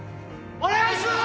お願いします！